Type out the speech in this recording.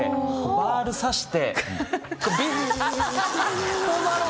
バールさして？